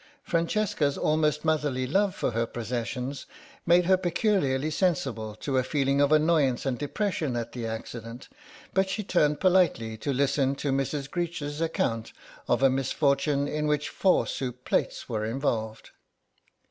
Francesca's almost motherly love for her possessions made her peculiarly sensible to a feeling of annoyance and depression at the accident, but she turned politely to listen to Mrs. Greech's account of a misfortune in which four soup plates were involved.